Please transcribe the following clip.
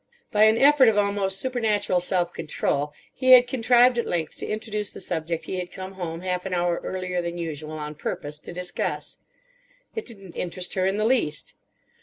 By an effort of almost supernatural self control he had contrived at length to introduce the subject he had come home half an hour earlier than usual on purpose to discuss. It didn't interest her in the least.